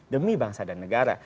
demi bangsa dan negara